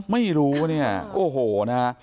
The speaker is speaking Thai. ไม่รู้เนี่ยโอ้โหนะฮะ